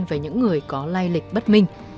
với những người có lai lịch bất minh